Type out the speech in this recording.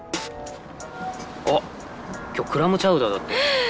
あっ今日クラムチャウダーだって。